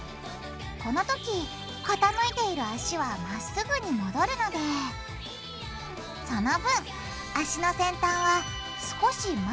このときかたむいている脚はまっすぐに戻るのでその分脚の先端は少し前の位置に着地。